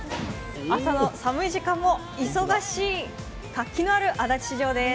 朝の寒い時間も忙しい活気のある足立市場です。